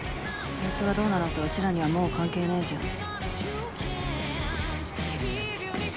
あいつがどうなろうとうちらにはもう関係ないじゃん。